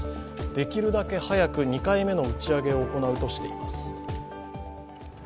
できるだけ早く２回目の打ち上げを行うとしています。